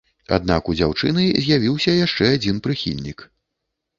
Аднак у дзяўчыны з'явіўся яшчэ адзін прыхільнік.